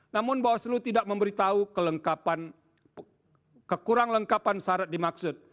namun bawaslu tidak memberitahu kelengkap kekurang lengkapan syarat dimaksud